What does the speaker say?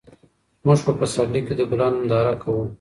موږ په پسرلي کې د ګلانو ننداره کوو.